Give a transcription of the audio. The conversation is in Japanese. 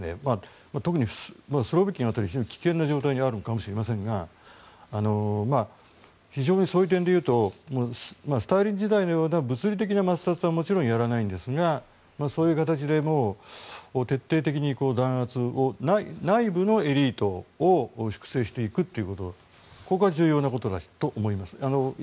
特にスロビキンは非常に危険な状態にあるかもしれませんが非常にそういう点で言うとスターリン時代のような物理的な抹殺はもちろんやらないんですがそういう形で徹底的に弾圧を内部のエリートを粛清していくということここが重要なことだと思います。